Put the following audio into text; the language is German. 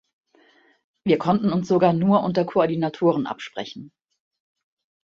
Wir konnten uns sogar nur unter Koordinatoren absprechen.